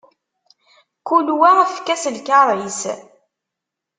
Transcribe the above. Kul wa efk-as lkaṛ-is.